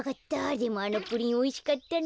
でもあのプリンおいしかったな。